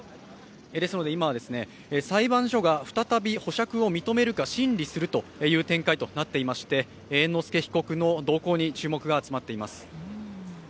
ですので、今は裁判所が再び保釈を認めるか審理するという展開となっていまして、猿之助被告の動向に注目が集まっています。